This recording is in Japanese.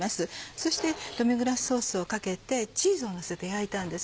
そしてドミグラスソースをかけてチーズをのせて焼いたんです。